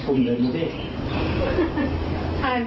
ข้อมรุงนิดนี้